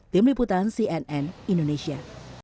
tim liputan cnn indonesia